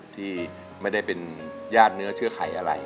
ที่ไม่ได้เป็นญาติเนื้อเชื่อไขอะไร